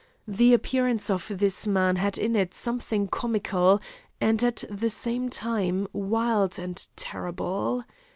The appearance of this man had in it something comical, and at the same time wild and terrible.